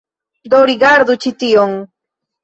Do, rigardu ĉi tion